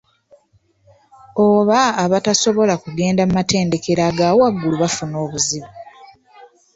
Oba abatasobola kugenda mu matendekero aga waggulu bafuna obuzibu.